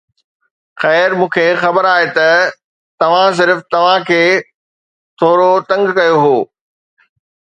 خير، مون کي خبر آهي ته توهان صرف توهان کي ٿورو تنگ ڪيو هو